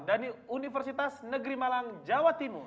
dan universitas negeri malang jawa timur